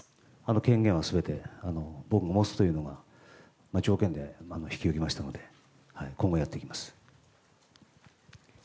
権限はすべて、僕が持つというのが条件で引き受けましたので、今後、やっていきます。